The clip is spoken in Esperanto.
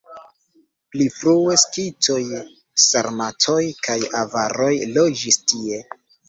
Pli frue skitoj, sarmatoj kaj avaroj loĝis tie.